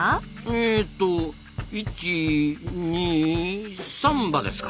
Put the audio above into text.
えと１２３羽ですか。